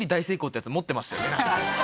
ってやつ持ってましたよね。